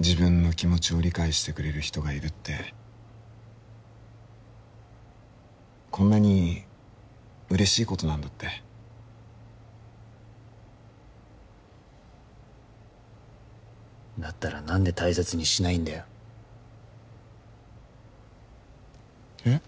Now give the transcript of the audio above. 自分の気持ちを理解してくれる人がいるってこんなに嬉しいことなんだってだったら何で大切にしないんだよえっ？